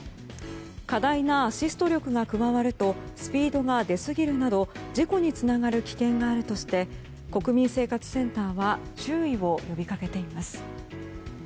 過大なアシスト力が加わるとスピードが出すぎるなど事故につながる危険があるとして国民生活センターは注意を呼びかけています。